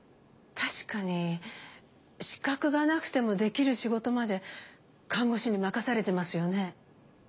確かに資格がなくてもできる仕事まで看護師に任されてますよね？